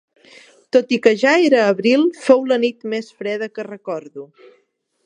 Tot i que ja era abril, fou la nit més freda que recordo